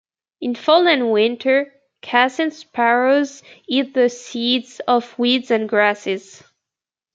In fall and winter, Cassin's sparrows eat the seeds of weeds and grasses.